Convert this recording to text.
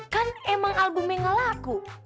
kan emang albumnya nggak laku